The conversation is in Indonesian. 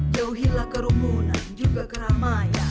jauhilah kerumunan juga keramaya